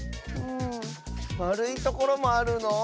まるいところもあるの？